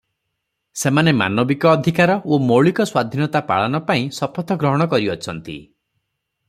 ସେମାନେ ମାନବିକ ଅଧିକାର ଓ ମୌଳିକ ସ୍ୱାଧୀନତା ପାଳନ ପାଇଁ ଶପଥ ଗ୍ରହଣ କରିଅଛନ୍ତି ।